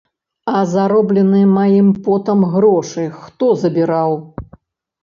А заробленыя маім потам грошы хто забіраў?